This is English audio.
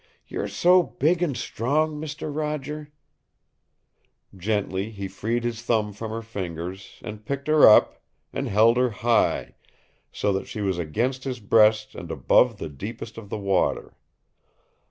"You're so big and strong, Mister Roger " Gently he freed his thumb from her fingers, and picked her up, and held her high, so that she was against his breast and above the deepest of the water.